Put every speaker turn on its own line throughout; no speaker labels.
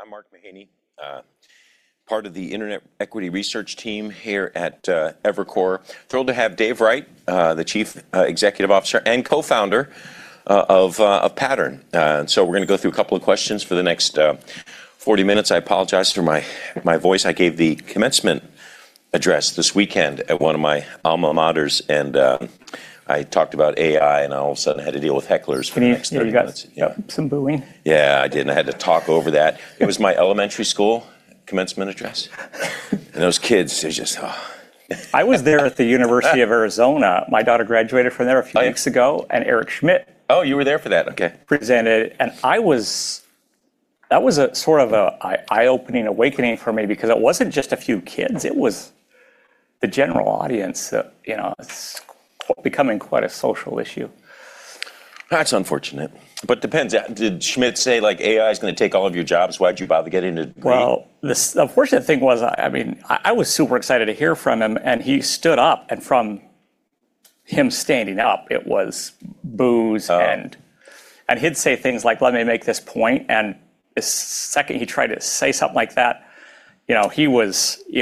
I'm Mark Mahaney, part of the Internet equity research team here at Evercore. Thrilled to have Dave Wright, the Chief Executive Officer and co-founder of Pattern. We're going to go through a couple of questions for the next 40 minutes. I apologize for my voice. I gave the commencement address this weekend at one of my alma maters, and I talked about AI, and all of a sudden I had to deal with hecklers for the next 30 minutes.
You got some booing.
Yeah, I did, and I had to talk over that. It was my elementary school commencement address. Those kids, they just...
I was there at the University of Arizona. My daughter graduated from there a few weeks ago. Eric Schmidt presented.
Oh, you were there for that? Okay.
That was a sort of eye-opening awakening for me because it wasn't just a few kids, it was the general audience. It's becoming quite a social issue.
That's unfortunate. Depends, did Schmidt say, "AI's going to take all of your jobs. Why'd you bother getting a degree?
Well, the unfortunate thing was, I was super excited to hear from him. He stood up, and from him standing up, it was boos.
Oh.
He'd say things like, "Let me make this point." The second he tried to say something like that, it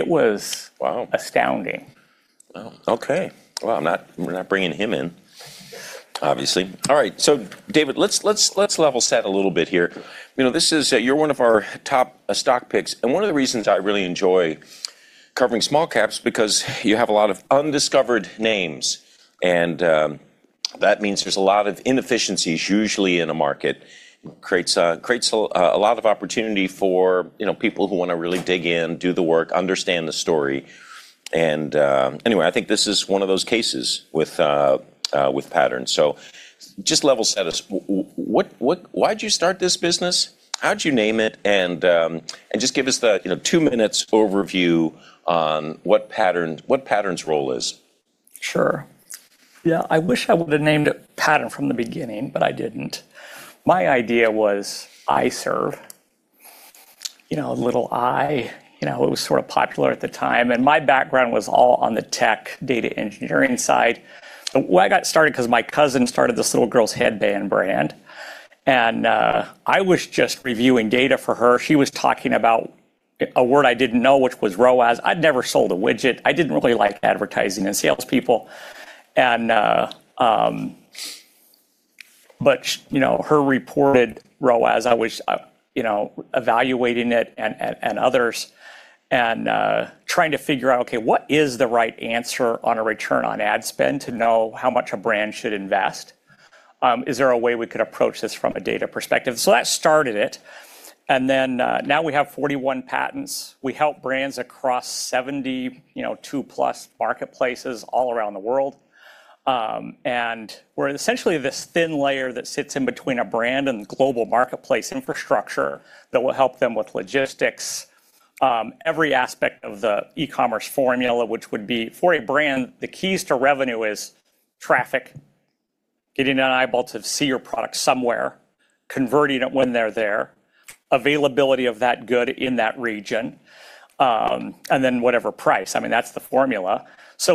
was astounding.
Wow, okay. Well, we're not bringing him in, obviously. All right, David, let's level set a little bit here. You're one of our top stock picks. One of the reasons I really enjoy covering small caps because you have a lot of undiscovered names. That means there's a lot of inefficiencies usually in a market. Creates a lot of opportunity for people who want to really dig in, do the work, understand the story. Anyway, I think this is one of those cases with Pattern. Just level set us. Why'd you start this business? How'd you name it? Just give us the two minutes overview on what Pattern's role is.
Sure. Yeah, I wish I would've named it Pattern from the beginning. I didn't. My idea was iServe. You know, a little I. It was sort of popular at the time. My background was all on the tech data engineering side. I got started because my cousin started this little girls' headband brand. I was just reviewing data for her. She was talking about a word I didn't know, which was ROAS. I'd never sold a widget. I didn't really like advertising and salespeople. Her reported ROAS, I was evaluating it and others, and trying to figure out, okay, what is the right answer on a return on ad spend to know how much a brand should invest? Is there a way we could approach this from a data perspective? That started it. Now we have 41 patents. We help brands across 72+ marketplaces all around the world. We're essentially this thin layer that sits in between a brand and global marketplace infrastructure that will help them with logistics. Every aspect of the e-commerce formula, which would be, for a brand, the keys to revenue is traffic, getting an eyeball to see your product somewhere, converting it when they're there, availability of that good in that region, and then whatever price. That's the formula.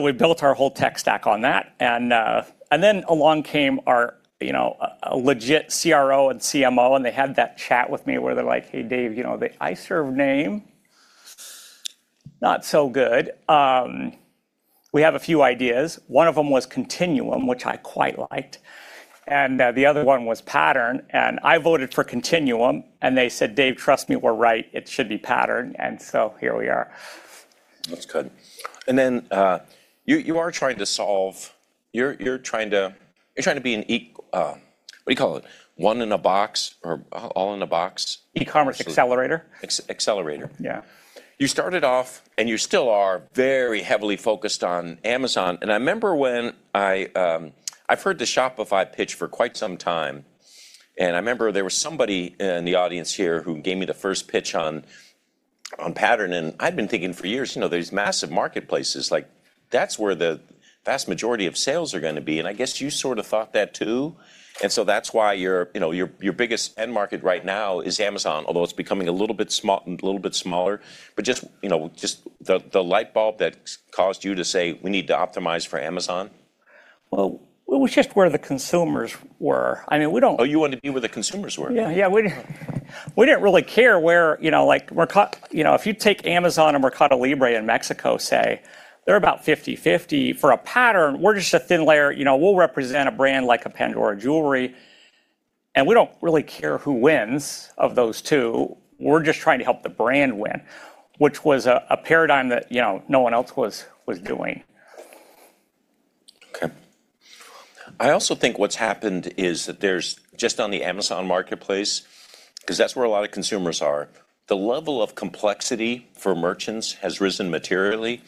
We built our whole tech stack on that. Then along came our legit CRO and CMO, and they had that chat with me where they're like, "Hey, Dave, the iServe name, not so good. We have a few ideas." One of them was Continuum, which I quite liked, and the other one was Pattern, and I voted for Continuum. They said, "Dave, trust me, we're right. It should be Pattern." Here we are.
That's good. Then you're trying to be what do you call it? One in a box or all in a box.
E-commerce accelerator.
Accelerator?
Yeah.
You started off, and you still are very heavily focused on Amazon. I remember when I've heard the Shopify pitch for quite some time, and I remember there was somebody in the audience here who gave me the first pitch on Pattern, and I'd been thinking for years, there's massive marketplaces. Like, that's where the vast majority of sales are going to be, I guess you sort of thought that too. That's why your biggest end market right now is Amazon, although it's becoming a little bit smaller. Just the light bulb that caused you to say, "We need to optimize for Amazon.
Well, it was just where the consumers were. I mean.
Oh, you wanted to be where the consumers were?
Yeah, we didn't really care. If you take Amazon and Mercado Libre in Mexico, say, they're about 50/50. For a Pattern, we're just a thin layer. We'll represent a brand like a Pandora jewelry, and we don't really care who wins of those two. We're just trying to help the brand win, which was a paradigm that no one else was doing.
Okay. I also think what's happened is that there's, just on the Amazon marketplace, because that's where a lot of consumers are, the level of complexity for merchants has risen materially.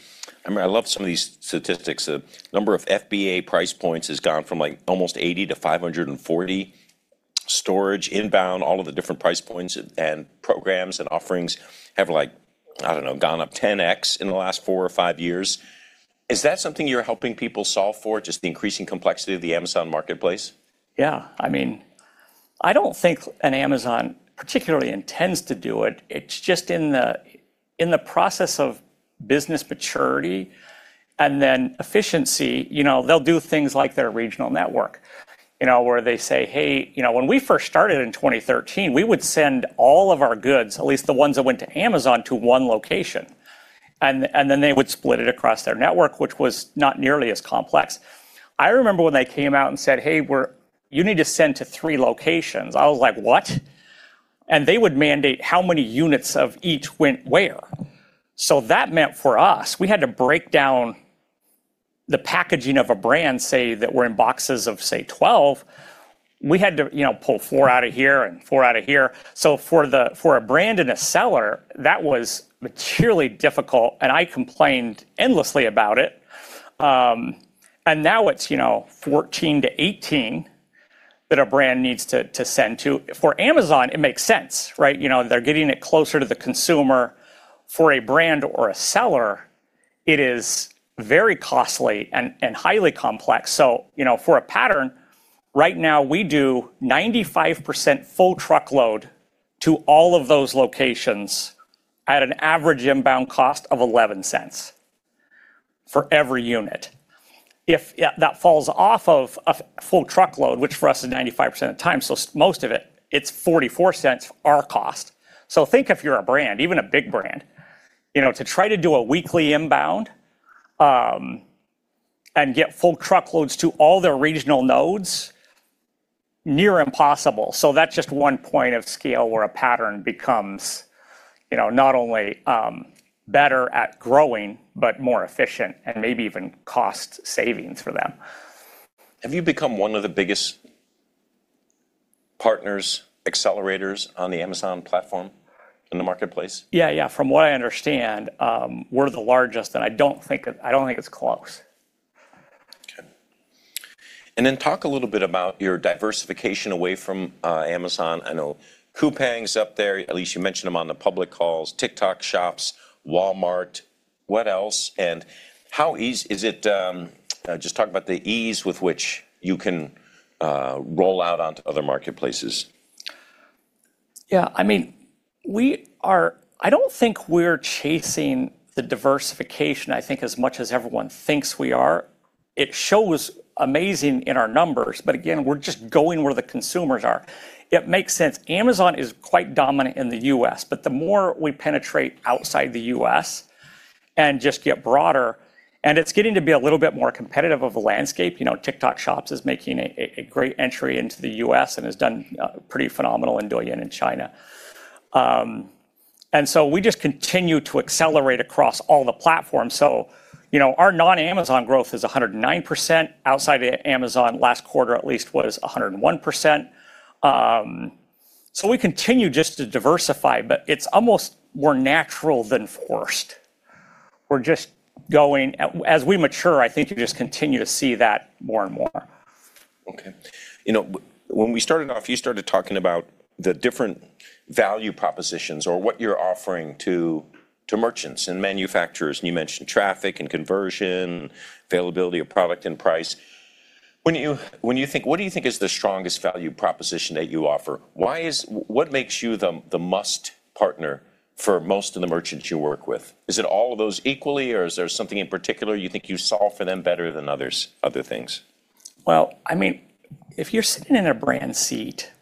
I love some of these statistics. The number of FBA price points has gone from like almost 80 to 540. Storage inbound, all of the different price points and programs and offerings have, like, I don't know, gone up 10x in the last four or five years. Is that something you're helping people solve for? Just the increasing complexity of the Amazon marketplace?
Yeah. I don't think an Amazon particularly intends to do it. It's just in the process of business maturity and then efficiency, they'll do things like their regional network, where they say, "Hey," when we first started in 2013, we would send all of our goods, at least the ones that went to Amazon, to one location, and then they would split it across their network, which was not nearly as complex. I remember when they came out and said, "Hey, you need to send to three locations." I was like, "What?" They would mandate how many units of each went where. That meant for us, we had to break down the packaging of a brand, say, that were in boxes of, say, 12, we had to pull four out of here and four out of here. For a brand and a seller, that was materially difficult, and I complained endlessly about it. Now it's 14-18 that a brand needs to send to. For Amazon, it makes sense, right? They're getting it closer to the consumer. For a brand or a seller, it is very costly and highly complex. For a Pattern Group, right now, we do 95% full truckload to all of those locations at an average inbound cost of $0.11 for every unit. If that falls off of a full truckload, which for us is 95% of the time, so most of it's $0.44 our cost. Think if you're a brand, even a big brand, to try to do a weekly inbound, and get full truckloads to all their regional nodes, near impossible. That's just one point of scale where Pattern becomes not only better at growing, but more efficient and maybe even cost savings for them.
Have you become one of the biggest partners, accelerators on the Amazon platform in the marketplace?
Yeah. From what I understand, we're the largest, and I don't think it's close.
Okay. Talk a little bit about your diversification away from Amazon. I know Coupang's up there, at least you mention them on the public calls, TikTok Shop, Walmart. What else? Just talk about the ease with which you can roll out onto other marketplaces.
Yeah. I don't think we're chasing the diversification, I think, as much as everyone thinks we are. It shows amazing in our numbers, but again, we're just going where the consumers are. It makes sense. Amazon is quite dominant in the U.S., but the more we penetrate outside the U.S. and just get broader, and it's getting to be a little bit more competitive of a landscape. TikTok Shop is making a great entry into the U.S. and has done pretty phenomenal in Douyin in China. We just continue to accelerate across all the platforms. Our non-Amazon growth is 109%. Outside of Amazon last quarter at least was 101%. We continue just to diversify, but it's almost more natural than forced. As we mature, I think you just continue to see that more and more.
Okay. When we started off, you started talking about the different value propositions or what you're offering to merchants and manufacturers, and you mentioned traffic and conversion, availability of product and price. What do you think is the strongest value proposition that you offer? What makes you the must partner for most of the merchants you work with? Is it all of those equally, or is there something in particular you think you solve for them better than others, other things?
If you're sitting in a brand seat,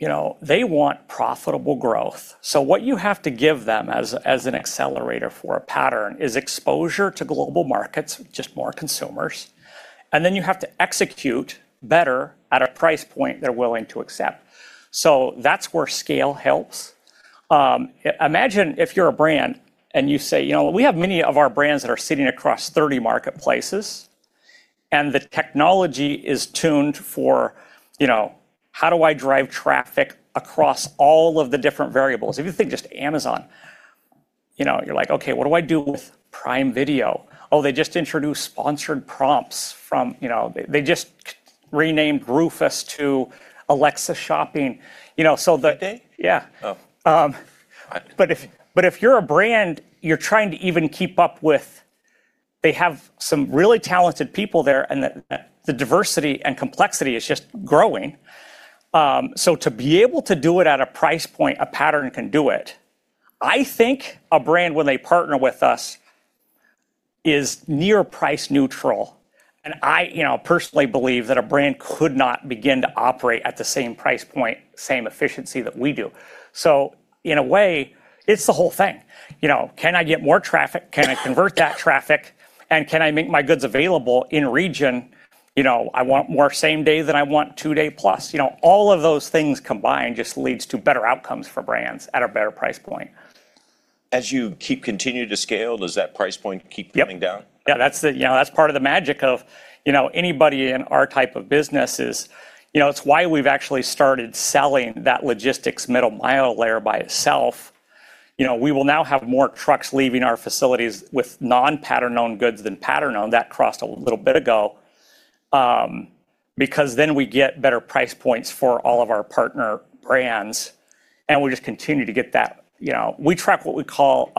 they want profitable growth. What you have to give them as an accelerator for a Pattern is exposure to global markets, just more consumers. You have to execute better at a price point they're willing to accept. That's where scale helps. Imagine if you're a brand and you say, we have many of our brands that are sitting across 30 marketplaces, and the technology is tuned for, how do I drive traffic across all of the different variables? If you think just Amazon, you're like, "Okay, what do I do with Prime Video?" They just introduced sponsored prompts. They just renamed Rufus to Alexa for Shopping.
That day?
Yeah.
Oh.
If you're a brand, you're trying to even keep up with. They have some really talented people there, and the diversity and complexity is just growing. To be able to do it at a price point, a Pattern can do it. I think a brand, when they partner with us, is near price neutral, and I personally believe that a brand could not begin to operate at the same price point, same efficiency that we do. In a way, it's the whole thing. Can I get more traffic? Can I convert that traffic? Can I make my goods available in region? I want more same day than I want two-day plus. All of those things combined just leads to better outcomes for brands at a better price point.
As you keep continuing to scale, does that price point keep coming down?
Yep. Yeah, that is part of the magic of anybody in our type of business is, it's why we've actually started selling that logistics middle-mile layer by itself. We will now have more trucks leaving our facilities with non-Pattern-owned goods than Pattern-owned. That crossed a little bit ago. We get better price points for all of our partner brands, and we just continue to get that. We track what we call,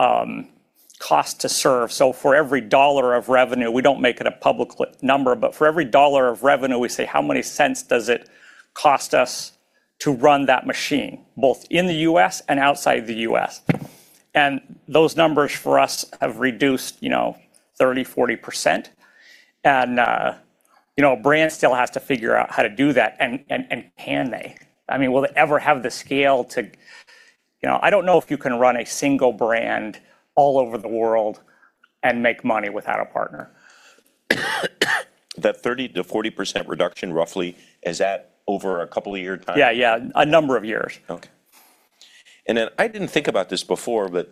cost to serve. For every dollar of revenue, we don't make it a public number, for every dollar of revenue, we say, how many cents does it cost us to run that machine, both in the U.S. and outside the U.S. Those numbers for us have reduced 30%-40%. A brand still has to figure out how to do that, and can they? Will it ever have the scale to I don't know if you can run a single brand all over the world and make money without a partner.
That 30%-40% reduction roughly, is that over a couple of year time?
Yeah. A number of years.
Okay. I didn't think about this before, but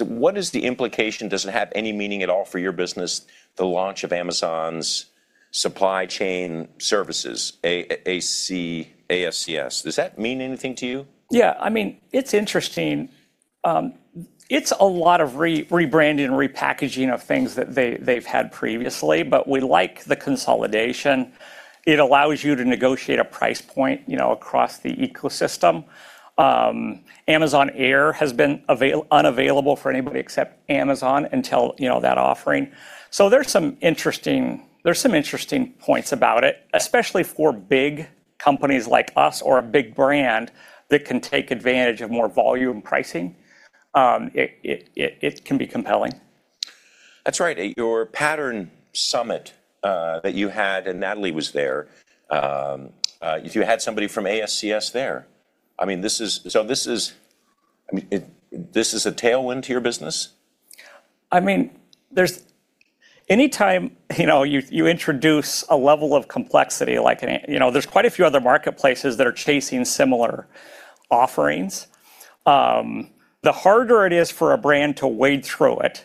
what is the implication, does it have any meaning at all for your business, the launch of Amazon's supply chain services, ASCS? Does that mean anything to you?
Yeah. It's interesting. It's a lot of rebranding and repackaging of things that they've had previously. We like the consolidation. It allows you to negotiate a price point across the ecosystem. Amazon Air has been unavailable for anybody except Amazon until that offering. There's some interesting points about it, especially for big companies like us or a big brand that can take advantage of more volume pricing. It can be compelling.
That's right. Your Pattern Summit, that you had, and Natalie was there, you had somebody from ASCS there. This is a tailwind to your business?
Anytime you introduce a level of complexity, there's quite a few other marketplaces that are chasing similar offerings. The harder it is for a brand to wade through it,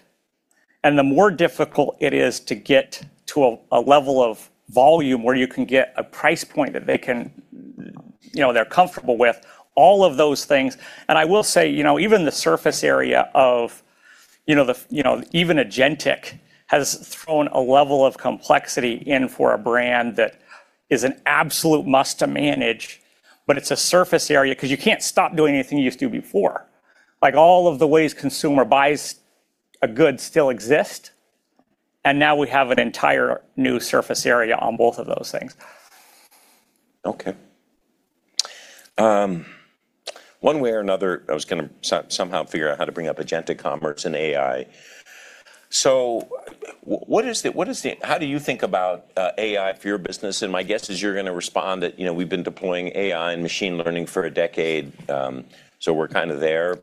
and the more difficult it is to get to a level of volume where you can get a price point that they're comfortable with, all of those things. I will say, even the surface area of even agentic has thrown a level of complexity in for a brand that is an absolute must to manage, but it's a surface area because you can't stop doing anything you used to before. Like all of the ways consumer buys a good still exist, now we have an entire new surface area on both of those things.
Okay. One way or another, I was going to somehow figure out how to bring up agentic commerce and AI. How do you think about AI for your business? My guess is you're going to respond that we've been deploying AI and machine learning for a decade, so we're kind of there.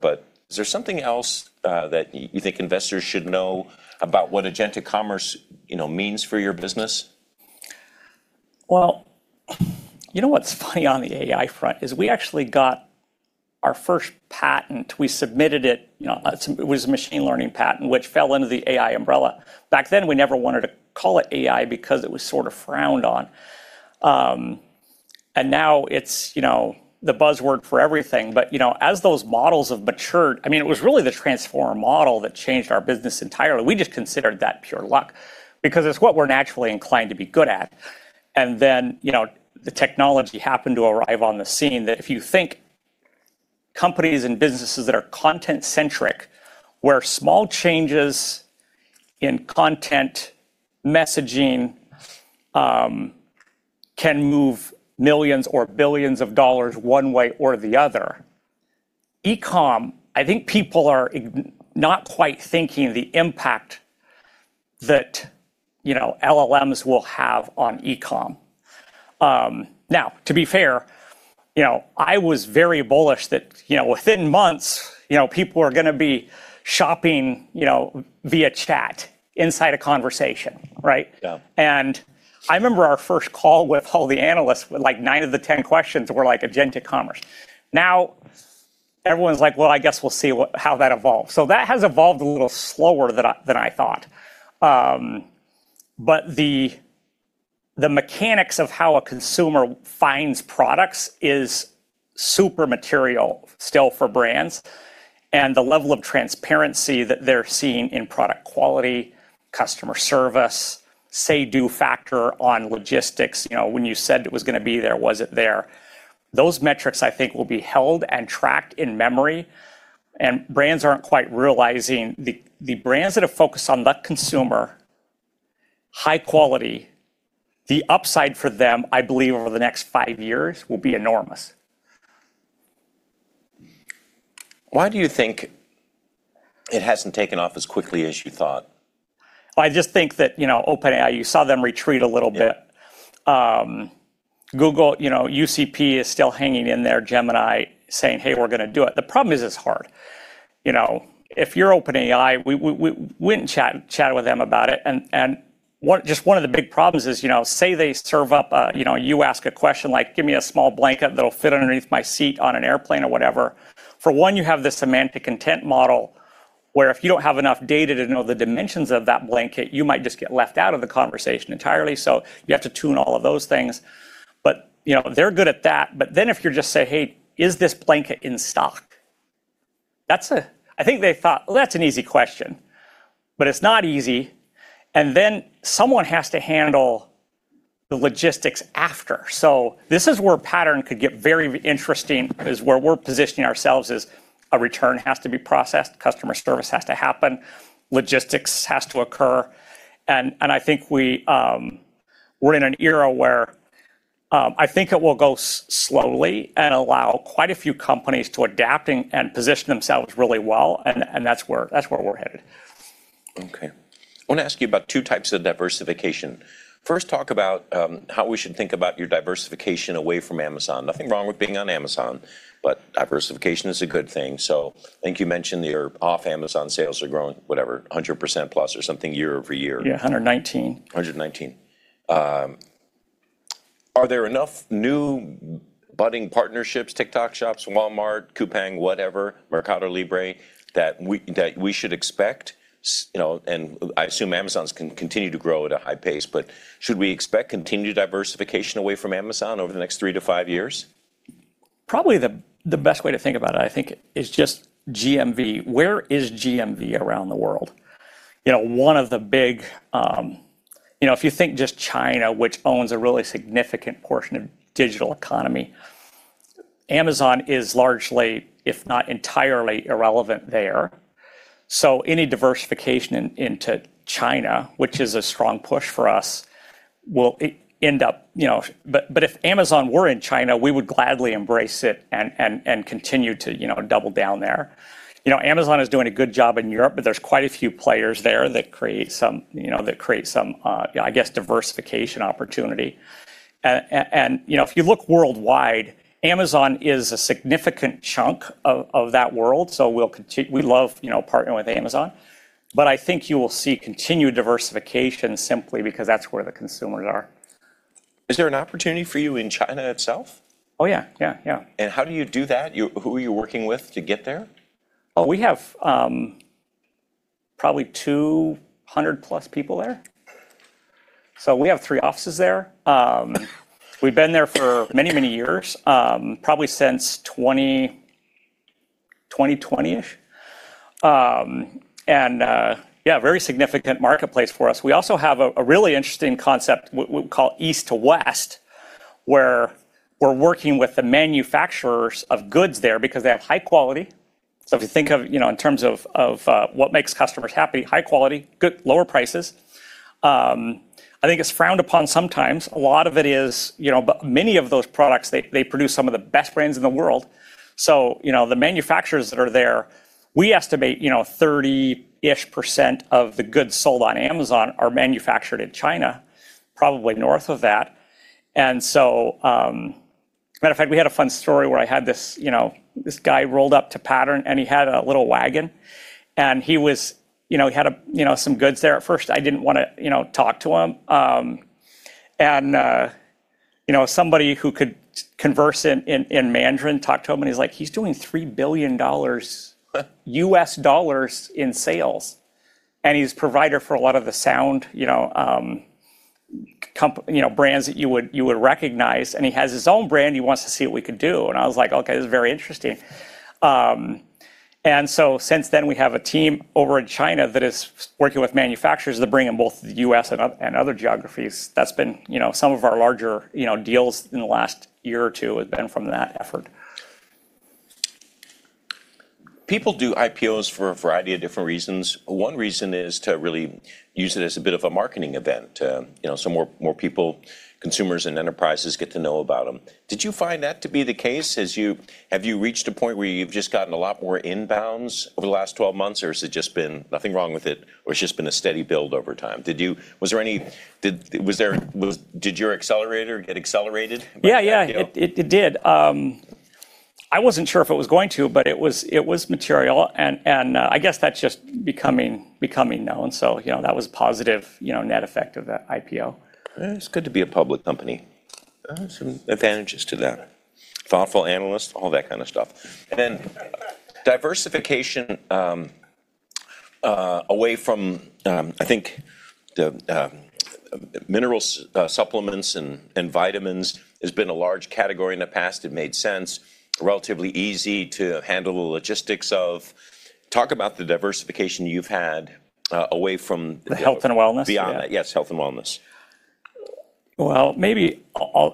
Is there something else that you think investors should know about what agentic commerce means for your business?
Well, you know what's funny on the AI front is we actually got our first patent. We submitted it was a machine learning patent, which fell under the AI umbrella. Back then, we never wanted to call it AI because it was sort of frowned on. Now it's the buzzword for everything. As those models have matured, it was really the transformer model that changed our business entirely. We just considered that pure luck because it's what we're naturally inclined to be good at. Then, the technology happened to arrive on the scene that if you think companies and businesses that are content-centric, where small changes in content, messaging, can move millions or billions of dollars one way or the other. E-com, I think people are not quite thinking the impact that LLMs will have on e-com. To be fair, I was very bullish that within months, people are going to be shopping via chat inside a conversation, right?
Yeah.
I remember our first call with all the analysts, like nine of the 10 questions were like agentic commerce. Now everyone's like, "Well, I guess we'll see how that evolves." That has evolved a little slower than I thought. The mechanics of how a consumer finds products is super material still for brands, and the level of transparency that they're seeing in product quality, customer service, say/do factor on logistics. When you said it was going to be there, was it there? Those metrics I think will be held and tracked in memory, and brands aren't quite realizing the brands that have focused on the consumer, high quality, the upside for them, I believe over the next five years, will be enormous.
Why do you think it hasn't taken off as quickly as you thought?
I just think that, OpenAI, you saw them retreat a little bit.
Yeah.
Google, UCP is still hanging in there, Gemini saying, "Hey, we're going to do it." The problem is, it's hard. If you're OpenAI, we went and chatted with them about it, just one of the big problems is say they serve up a, you ask a question like, "Give me a small blanket that'll fit underneath my seat on an airplane," or whatever. For one, you have the semantic content model, where if you don't have enough data to know the dimensions of that blanket, you might just get left out of the conversation entirely, you have to tune all of those things. They're good at that. If you just say, "Hey, is this blanket in stock?" I think they thought, "Well, that's an easy question," it's not easy. Someone has to handle the logistics after. This is where Pattern could get very interesting, is where we're positioning ourselves as a return has to be processed, customer service has to happen, logistics has to occur. I think we're in an era where I think it will go slowly and allow quite a few companies to adapt and position themselves really well, and that's where we're headed.
Okay. I want to ask you about two types of diversification. First, talk about how we should think about your diversification away from Amazon. Nothing wrong with being on Amazon, but diversification is a good thing. I think you mentioned your off-Amazon sales are growing, whatever, 100%+ or something year-over-year.
Yeah, 119%.
Are there enough new budding partnerships, TikTok Shop, Walmart, Coupang, whatever, Mercado Libre, that we should expect? I assume Amazon's going to continue to grow at a high pace, but should we expect continued diversification away from Amazon over the next three to five years?
Probably the best way to think about it, I think, is just GMV. Where is GMV around the world? If you think just China, which owns a really significant portion of digital economy, Amazon is largely, if not entirely irrelevant there. If Amazon were in China, we would gladly embrace it and continue to double down there. Amazon is doing a good job in Europe, there's quite a few players there that create some, I guess, diversification opportunity. If you look worldwide, Amazon is a significant chunk of that world, we love partnering with Amazon, I think you will see continued diversification simply because that's where the consumers are.
Is there an opportunity for you in China itself?
Oh, yeah.
How do you do that? Who are you working with to get there?
We have probably 200+ people there. We have three offices there. We've been there for many years, probably since 2020-ish. Yeah, very significant marketplace for us. We also have a really interesting concept, what we call East to West, where we're working with the manufacturers of goods there because they have high quality. If you think of it in terms of what makes customers happy, high quality, good lower prices. I think it's frowned upon sometimes. A lot of it is. Many of those products, they produce some of the best brands in the world. The manufacturers that are there, we estimate 30%-ish of the goods sold on Amazon are manufactured in China, probably north of that. Matter of fact, we had a fun story where I had this guy rolled up to Pattern, and he had a little wagon. He had some goods there. At first, I didn't want to talk to him. Somebody who could converse in Mandarin talked to him, and he's like, "He's doing $3 billion in sales." He's provider for a lot of the sound brands that you would recognize. He has his own brand, he wants to see what we could do. I was like, "Okay, this is very interesting." Since then, we have a team over in China that is working with manufacturers to bring in both the U.S. and other geographies. That's some of our larger deals in the last year or two have been from that effort.
People do IPOs for a variety of different reasons. One reason is to really use it as a bit of a marketing event, so more people, consumers, and enterprises get to know about them. Did you find that to be the case? Have you reached a point where you've just gotten a lot more inbounds over the last 12 months, or has it just been nothing wrong with it, or it's just been a steady build over time? Did your accelerator get accelerated by the IPO?
Yeah. It did. I wasn't sure if it was going to, but it was material, and I guess that's just becoming known. That was a positive net effect of that IPO.
It's good to be a public company. There are some advantages to that. Thoughtful analysts, all that kind of stuff. Diversification away from, I think, the mineral supplements and vitamins has been a large category in the past. It made sense. Relatively easy to handle the logistics of. Talk about the diversification you've had away from.
The health and wellness?
Beyond that. Yes, health and wellness.
Well, maybe,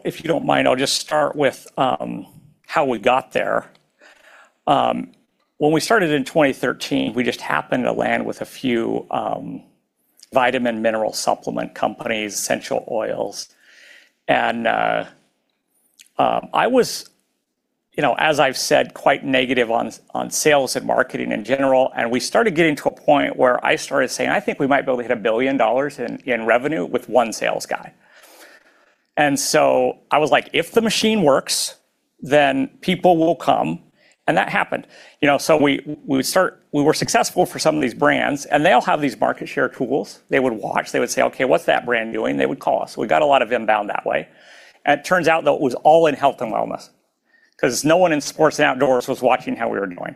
if you don't mind, I'll just start with how we got there. When we started in 2013, we just happened to land with a few vitamin mineral supplement companies, essential oils, and I was, as I've said, quite negative on sales and marketing in general. We started getting to a point where I started saying, "I think we might be able to hit $1 billion in revenue with one sales guy." I was like, "If the machine works, then people will come." That happened. We were successful for some of these brands, and they all have these market share tools they would watch. They would say, "Okay, what's that brand doing?" They would call us. We got a lot of inbound that way. It turns out, though, it was all in health and wellness because no one in sports and outdoors was watching how we were doing.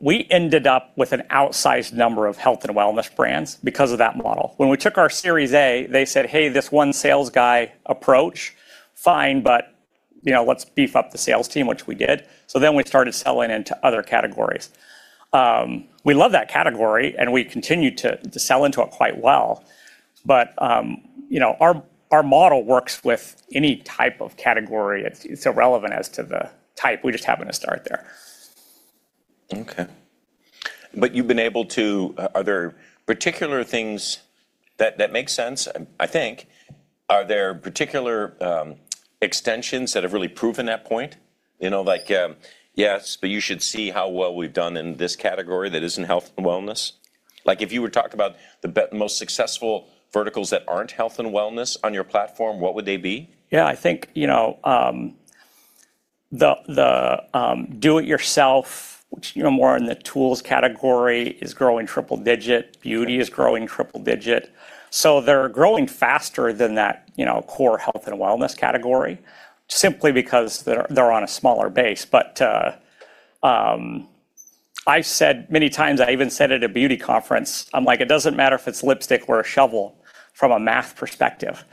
We ended up with an outsized number of health and wellness brands because of that model. When we took our Series A, they said, "Hey, this one sales guy approach, fine, but let's beef up the sales team," which we did. We started selling into other categories. We love that category, and we continue to sell into it quite well. Our model works with any type of category. It's irrelevant as to the type. We just happened to start there.
Okay. Are there particular things that make sense, I think? Are there particular extensions that have really proven that point? Like, "Yes, but you should see how well we've done in this category that is in health and wellness." If you were talking about the most successful verticals that aren't health and wellness on your platform, what would they be?
I think, the do-it-yourself, which more in the tools category, is growing triple-digit. Beauty is growing triple-digit. They're growing faster than that core health and wellness category simply because they're on a smaller base. I said many times, I even said at a beauty conference, I'm like, "It doesn't matter if it's lipstick or a shovel from a math perspective."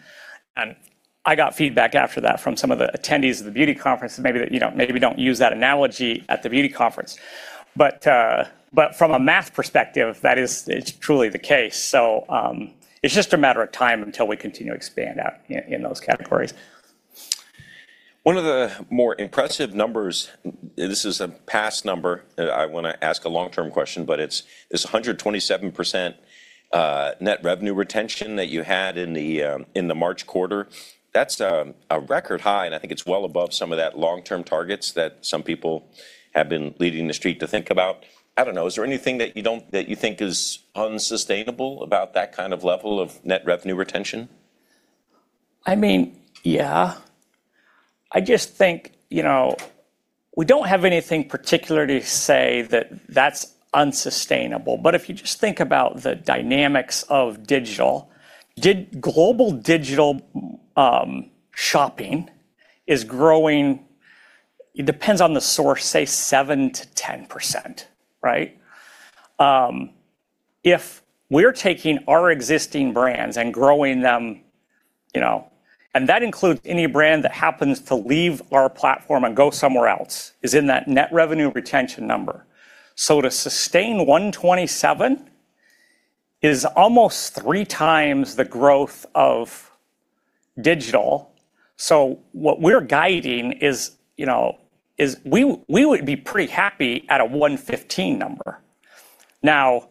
I got feedback after that from some of the attendees of the beauty conference, maybe that, "Maybe we don't use that analogy at the beauty conference." From a math perspective, that is truly the case. It's just a matter of time until we continue to expand out in those categories.
One of the more impressive numbers, this is a past number that I want to ask a long-term question, but it's this 127% net revenue retention that you had in the March quarter. That's a record high, I think it's well above some of that long-term targets that some people have been leading the street to think about. I don't know, is there anything that you think is unsustainable about that kind of level of net revenue retention?
I mean, yeah. I just think, we don't have anything particular to say that's unsustainable. If you just think about the dynamics of digital, global digital shopping is growing, it depends on the source, say, 7%-10%, right? If we're taking our existing brands and growing them, and that includes any brand that happens to leave our platform and go somewhere else, is in that net revenue retention number. To sustain 127 is almost three times the growth of digital. What we're guiding is we would be pretty happy at a 115 number. Now,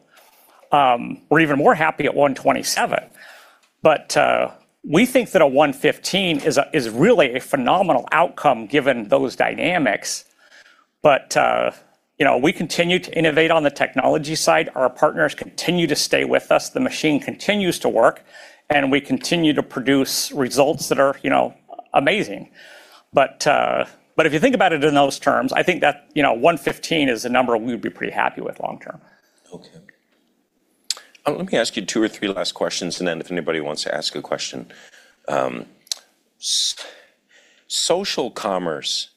we're even more happy at 127, but we think that a 115 is really a phenomenal outcome given those dynamics. We continue to innovate on the technology side. Our partners continue to stay with us. The machine continues to work, and we continue to produce results that are amazing. If you think about it in those terms, I think that 115 is a number we would be pretty happy with long term.
Okay. Let me ask you two or three last questions, and then if anybody wants to ask a question. Social commerce,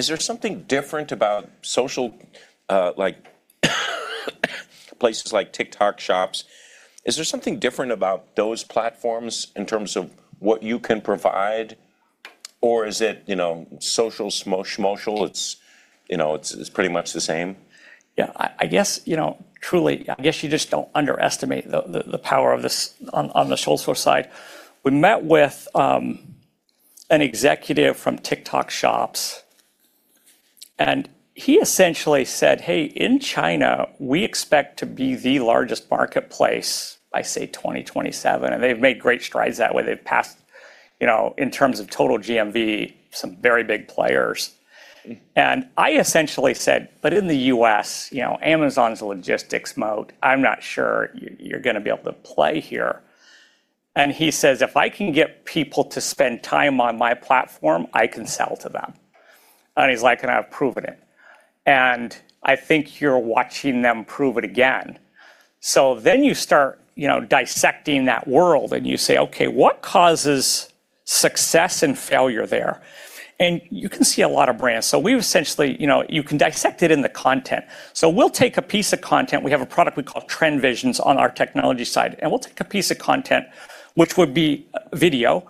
is there something different about social places like TikTok Shop? Is there something different about those platforms in terms of what you can provide? Is it, social's social, it's pretty much the same?
Yeah. I guess you just don't underestimate the power on the social side. We met with an executive from TikTok Shop, he essentially said, "Hey, in China, we expect to be the largest marketplace by, say, 2027." They've made great strides that way. They've passed, in terms of total GMV, some very big players. I essentially said, "But in the U.S., Amazon's a logistics moat. I'm not sure you're going to be able to play here." He says, "If I can get people to spend time on my platform, I can sell to them." He's like, "And I've proven it." I think you're watching them prove it again. You start dissecting that world, and you say, "Okay, what causes success and failure there?" You can see a lot of brands. We've essentially, you can dissect it in the content. We'll take a piece of content. We have a product we call TrendVision on our technology side, and we'll take a piece of content, which would be video,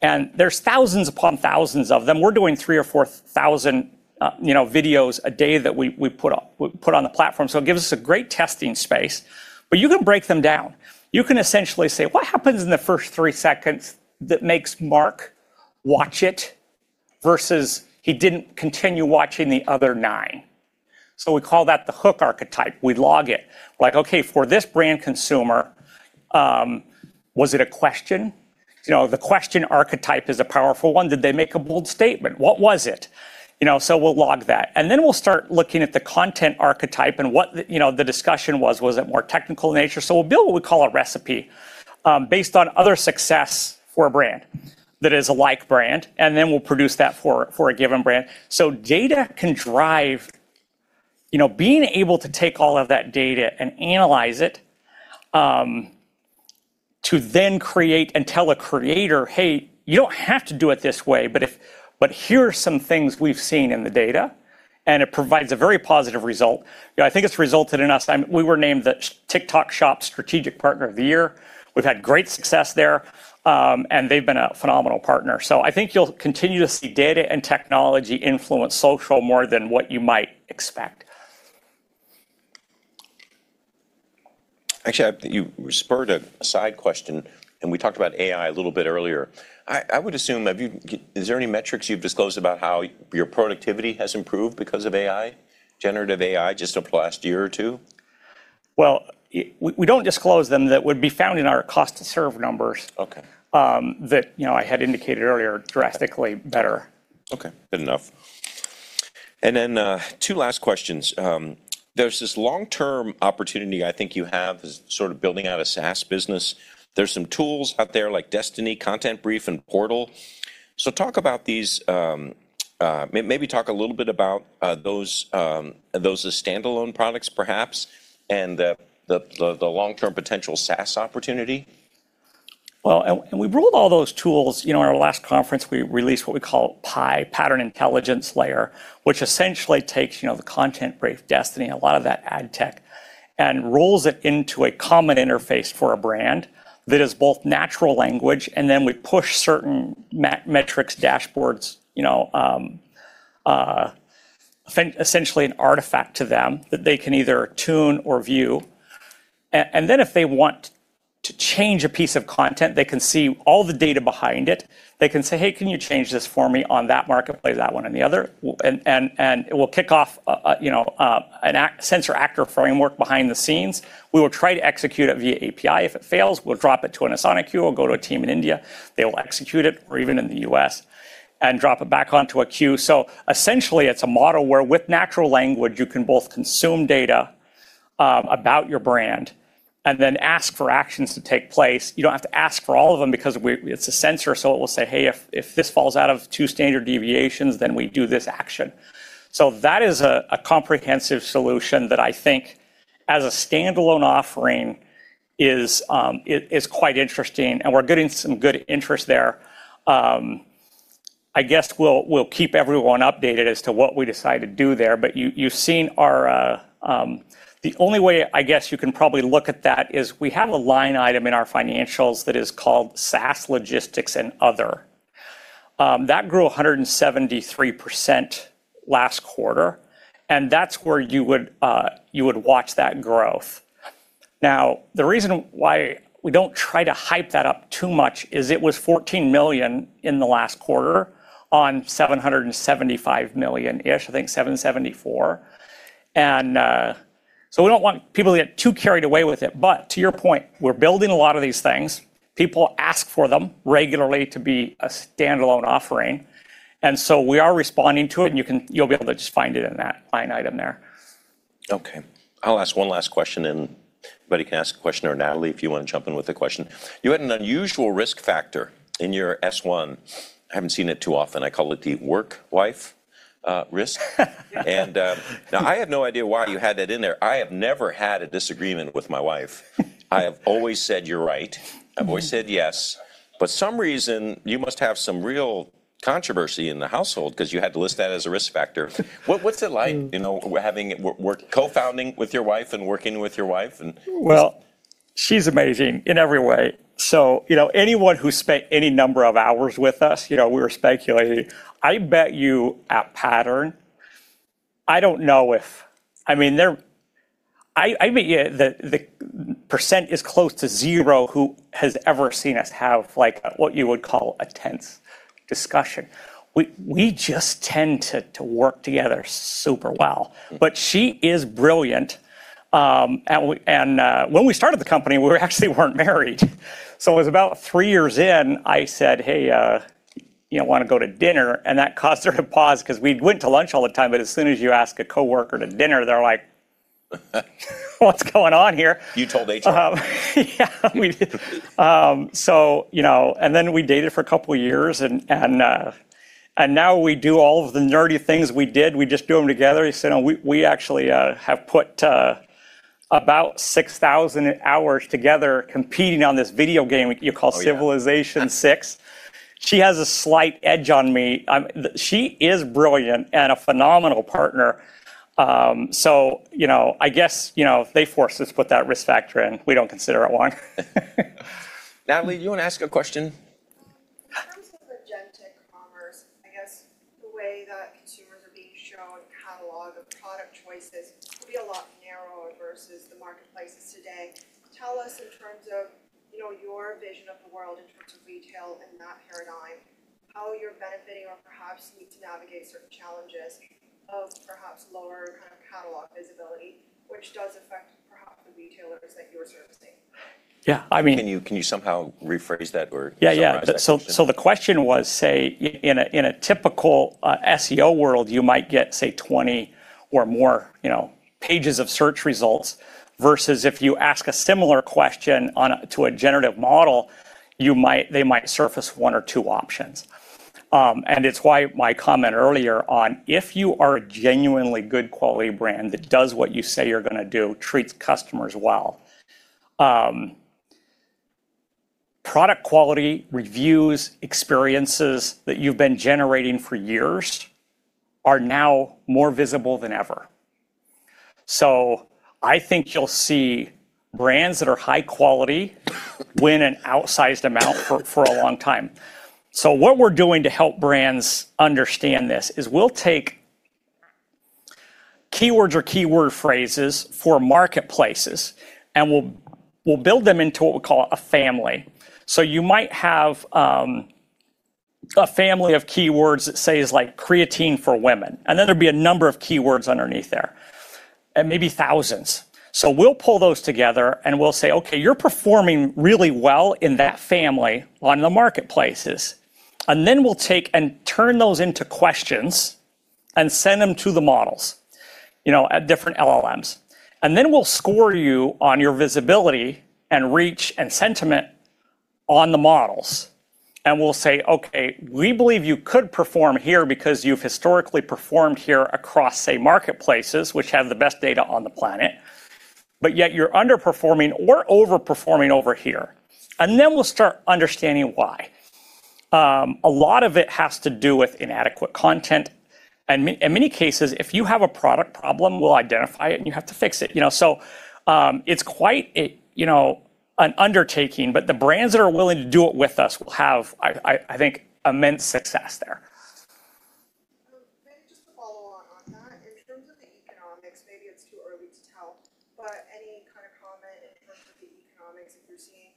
and there's thousands upon thousands of them. We're doing 3,000 or 4,000 videos a day that we put on the platform. It gives us a great testing space. You can break them down. You can essentially say, "What happens in the first three seconds that makes Mark watch it, versus he didn't continue watching the other nine?" We call that the hook archetype. We log it. We're like, "Okay, for this brand consumer, was it a question?" The question archetype is a powerful one. Did they make a bold statement? What was it? We'll log that, and then we'll start looking at the content archetype and what the discussion was. Was it more technical in nature? We'll build what we call a recipe, based on other success for a brand that is a like brand, and then we'll produce that for a given brand. Data can drive, being able to take all of that data and analyze it, to then create and tell a creator, "Hey, you don't have to do it this way, but here are some things we've seen in the data," and it provides a very positive result. I think it's resulted in us. We were named the TikTok Shop Strategic Partner of the Year. We've had great success there, and they've been a phenomenal partner. I think you'll continue to see data and technology influence social more than what you might expect.
Actually, you've spurred a side question, and we talked about AI a little bit earlier. I would assume, is there any metrics you've disclosed about how your productivity has improved because of AI, generative AI, just the last year or two?
Well, we don't disclose them. That would be found in our cost to serve numbers that I had indicated earlier are drastically better.
Okay, good enough. Two last questions. There's this long-term opportunity I think you have, is sort of building out a SaaS business. There's some tools out there like Destiny, ContentBrief, and Portal. Talk about these, maybe talk a little bit about are those as standalone products perhaps, and the long-term potential SaaS opportunity.
Well, we rolled all those tools, in our last conference, we released what we call PIE, Pattern Intelligence Layer, which essentially takes the ContentBrief Destiny, a lot of that ad tech, and rolls it into a common interface for a brand that is both natural language, then we push certain metrics, dashboards, essentially an artifact to them that they can either tune or view. Then if they want to change a piece of content, they can see all the data behind it. They can say, "Hey, can you change this for me on that marketplace, that one, and the other?" It will kick off a sensor actor framework behind the scenes. We will try to execute it via API. If it fails, we'll drop it to an Asana queue. It'll go to a team in India. They'll execute it, or even in the U.S., and drop it back onto a queue. Essentially, it's a model where with natural language, you can both consume data about your brand and then ask for actions to take place. You don't have to ask for all of them because it's a sensor, so it will say, "Hey, if this falls out of two standard deviations, then we do this action." That is a comprehensive solution that I think as a standalone offering is quite interesting, and we're getting some good interest there. I guess we'll keep everyone updated as to what we decide to do there. The only way, I guess, you can probably look at that is we have a line item in our financials that is called SaaS Logistics and Other. That grew 173% last quarter, and that's where you would watch that growth. Now, the reason why we don't try to hype that up too much is it was $14 million in the last quarter on $775 million-ish, I think $774. We don't want people to get too carried away with it. To your point, we're building a lot of these things. People ask for them regularly to be a standalone offering, and so we are responding to it, and you'll be able to just find it in that line item there.
Okay. I'll ask one last question, and anybody can ask a question, or Natalie, if you want to jump in with a question. You had an unusual risk factor in your S1. I haven't seen it too often. I call it the work wife risk. Now I have no idea why you had that in there. I have never had a disagreement with my wife. I have always said, "You're right." I've always said, "Yes." Some reason, you must have some real controversy in the household because you had to list that as a risk factor. What's it like co-founding with your wife and working with your wife?
Well, she's amazing in every way. Anyone who spent any number of hours with us, we were speculating, I bet you at Pattern, I don't know if I mean, the percent is close to zero who has ever seen us have what you would call a tense discussion. We just tend to work together super well. She is brilliant. When we started the company, we actually weren't married. It was about three years in, I said, "Hey, you want to go to dinner?" That caused her to pause because we went to lunch all the time, but as soon as you ask a coworker to dinner, they're like, "What's going on here?
You told HR.
Yeah, we did. We dated for a couple of years, and now we do all of the nerdy things we did, we just do them together, you know? We actually have put about 6,000 hours together competing on this video game you call Civilization VI. She has a slight edge on me. She is brilliant and a phenomenal partner. I guess they forced us to put that risk factor in. We don't consider it one.
Natalie, you want to ask a question?
In terms of agentic commerce, I guess the way that consumers are being shown catalog of product choices could be a lot narrower versus the marketplaces today. Tell us in terms of your vision of the world in terms of retail and that paradigm, how you're benefiting or perhaps you need to navigate certain challenges of perhaps lower kind of catalog visibility, which does affect perhaps the retailers that you're servicing?
Yeah.
Can you somehow rephrase that or summarize that question?
Yeah. The question was, say, in a typical SEO world, you might get, say, 20 or more pages of search results, versus if you ask a similar question to a generative model, they might surface one or two options. It's why my comment earlier on if you are a genuinely good quality brand that does what you say you're going to do, treats customers well. Product quality, reviews, experiences that you've been generating for years are now more visible than ever. I think you'll see brands that are high quality win an outsized amount for a long time. What we're doing to help brands understand this is we'll take keywords or keyword phrases for marketplaces, and we'll build them into what we call a family. You might have a family of keywords that, say, is like creatine for women, and then there'd be a number of keywords underneath there, and maybe thousands. We'll pull those together and we'll say, "Okay, you're performing really well in that family on the marketplaces." Then we'll take and turn those into questions and send them to the models, at different LLMs. We'll score you on your visibility and reach and sentiment on the models. We'll say, "Okay, we believe you could perform here because you've historically performed here across, say, marketplaces, which have the best data on the planet, but yet you're underperforming or over-performing over here." Then we'll start understanding why. A lot of it has to do with inadequate content, and in many cases, if you have a product problem, we'll identify it, and you have to fix it. It's quite an undertaking, but the brands that are willing to do it with us will have, I think, immense success there.
Maybe just to follow on on that. In terms of the economics, maybe it's too early to tell, any kind of comment in terms of the economics that you're seeing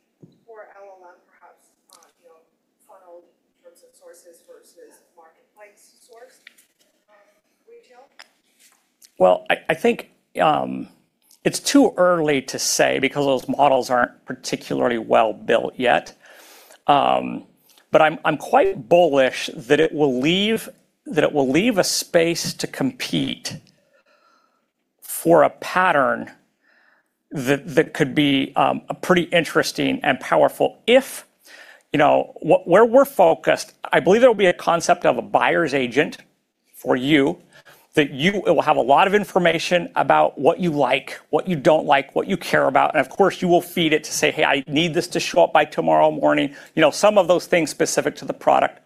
for LLM perhaps funneled in terms of sources versus marketplace source retail?
Well, I think, it's too early to say because those models aren't particularly well-built yet. I'm quite bullish that it will leave a space to compete for a Pattern that could be pretty interesting and powerful. Where we're focused, I believe there will be a concept of a buyer's agent for you, that it will have a lot of information about what you like, what you don't like, what you care about. Of course, you will feed it to say, "Hey, I need this to show up by tomorrow morning," some of those things specific to the product.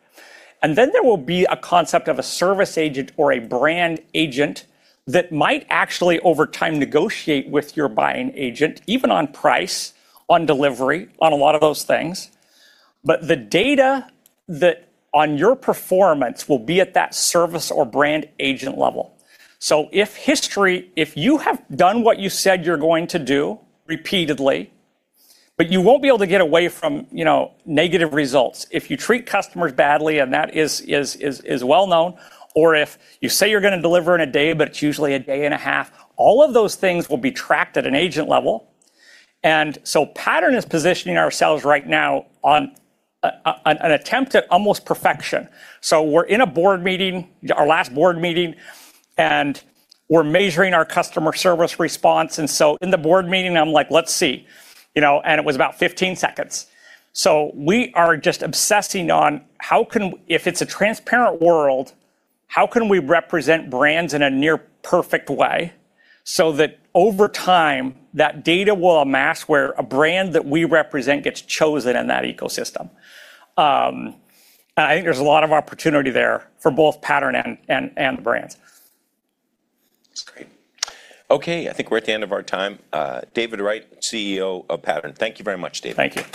Then there will be a concept of a service agent or a brand agent that might actually, over time, negotiate with your buying agent, even on price, on delivery, on a lot of those things. The data on your performance will be at that service or brand agent level. If you have done what you said you're going to do repeatedly, but you won't be able to get away from negative results. If you treat customers badly, and that is well known, or if you say you're going to deliver in a day, but it's usually a day and a half, all of those things will be tracked at an agent level. Pattern is positioning ourselves right now on an attempt at almost perfection. We're in a board meeting, our last board meeting, we're measuring our customer service response, in the board meeting, I'm like, "Let's see." It was about 15 seconds. We are just obsessing on if it's a transparent world, how can we represent brands in a near perfect way so that over time, that data will amass where a brand that we represent gets chosen in that ecosystem? I think there's a lot of opportunity there for both Pattern and the brands.
That's great. Okay, I think we're at the end of our time. David Wright, CEO of Pattern. Thank you very much, Dave.
Thank you.